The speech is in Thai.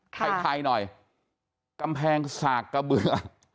ไทยหน่อยกำแพงสากกระเบือ